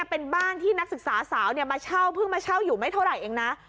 เป็นบ้านที่นักศึกษาสาวมาเช่าเพิ่งมาเช่าอยู่ไม่เท่าไหร่เองนะ